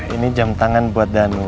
ini jam tangan buat danu